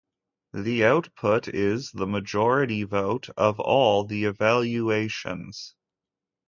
The output is the majority vote of all the evaluations.